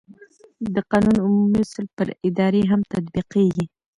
د قانون عمومي اصول پر ادارې هم تطبیقېږي.